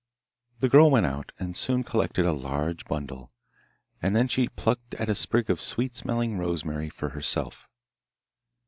The girl went out, and soon collected a large bundle, and then she plucked at a sprig of sweet smelling rosemary for herself.